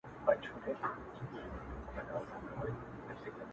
ښه دی چي ته خو ښه يې، گوره زه خو داسي يم،